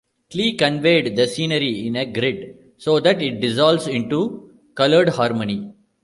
Klee conveyed the scenery in a grid, so that it dissolves into colored harmony.